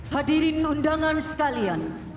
hadiri undangan sekalian